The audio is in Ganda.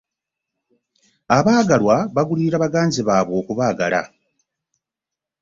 Abaagalwa bagulirira baganzi baabwe okubaagala.